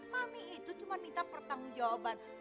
mami itu cuma minta pertanggung jawaban